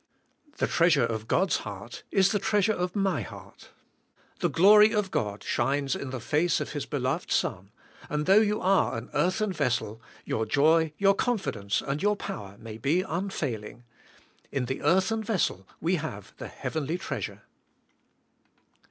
The treasure of God's heart is the treasure of my heart. The glory of God shines in the face of His beloved Son, and though you are an earthen vessel, your joy, your confidence and your power may be unfailing. In the earthen vessel we have the heavenly treasure.